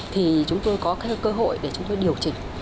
thì chúng tôi có cơ hội để chúng tôi điều chỉnh